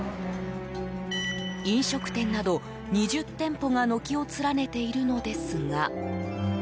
飲食店など、２０店舗が軒を連ねているのですが。